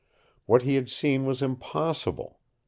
What he had seen was impossible.